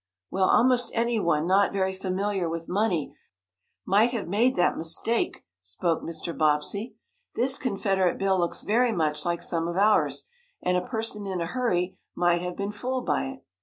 "Well, almost anyone, not very familiar with money, might have made that mistake," spoke Mr. Bobbsey. "This Confederate bill looks very much like some of ours, and a person in a hurry might have been fooled by it."